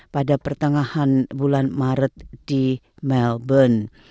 pada pertengahan bulan maret di melbourne